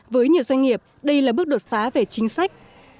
với nhiều doanh nghiệp đây là bước đột phá về chính sách